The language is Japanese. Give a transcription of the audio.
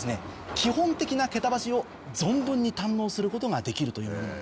基本的な桁橋を存分に堪能することができるというものです。